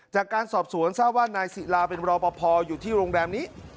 จากการสอบสวนทราบว่านายศิลาเป็นรอปภอยู่ที่โรงแรมนี้